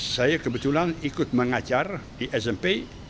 saya kebetulan ikut mengajar di smp